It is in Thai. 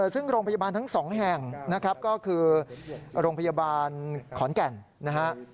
ซึ่งโรงพยาบาลทั้งสองแห่งนะครับก็คือโรงพยาบาลขอนแก่นนะฮะ